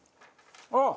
あっ！